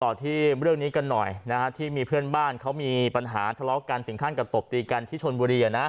ต่อที่เรื่องนี้กันหน่อยที่มีเพื่อนบ้านเขามีปัญหาทะเลาะกันถึงขั้นกับตบตีกันที่ชนบุรี